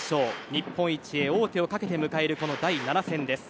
日本一へ王手をかけて迎えるこの第７戦です。